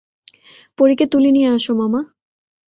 পরীকে তুলে নিয়ে আসো, মামা।